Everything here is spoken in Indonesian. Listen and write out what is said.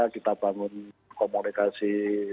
kita bangun komunikasi